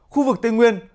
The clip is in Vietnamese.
khu vực tây nguyên